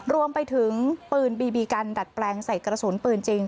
รวมไปถึงปืนบีบีกันดัดแปลงใส่กระสุนปืนจริง